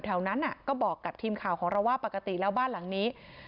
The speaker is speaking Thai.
แถวนั้นก็บอกกับทีมข่าวของเราว่าปกติแล้วบ้านหลังนี้